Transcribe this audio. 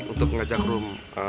untuk ngajak rum